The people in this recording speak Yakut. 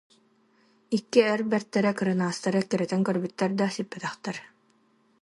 Икки эр бэртэрэ кырынаастары эккирэтэн көрбүттэр да, сиппэтэхтэр